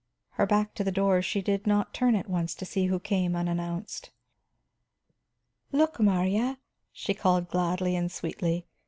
Her back to the door, she did not turn at once to see who came unannounced. "Look, Marya," she called gladly and sweetly.